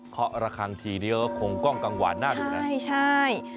เฮาะระคังทีเดียวของกล้องกังหวานน่าดูนะครับใช่